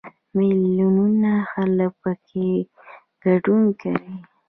میلیونونه خلک پکې ګډون کوي.